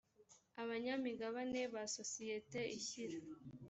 abanyamigabane ba sosiyete ishyira